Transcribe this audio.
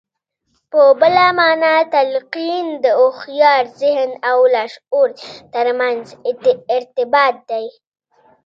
په بله مانا تلقين د هوښيار ذهن او لاشعور ترمنځ ارتباط دی.